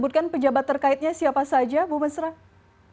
iya berdasarkan penyelenggaraan covid sembilan belas ini